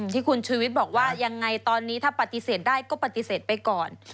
ที่คุณชูวิทย์บอกว่ายังไงตอนนี้ถ้าปฏิเสธได้ก็ปฏิเสธไปก่อน